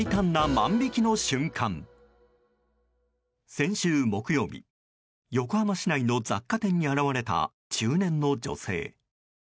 先週木曜日横浜市内の雑貨店に現れた中年の女性。